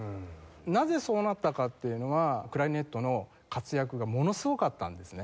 なぜそうなったかっていうのはクラリネットの活躍がものすごかったんですね。